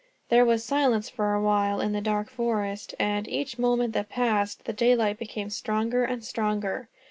There was silence for a while in the dark forest and, each moment that passed, the daylight became stronger and stronger.